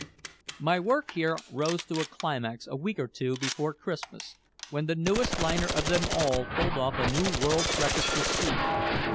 My work here rose to a climax a week or two before Christmas, when the newest liner of them all pulled off a new world's record for speed.